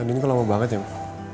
lagi ini kok lama banget ya mbak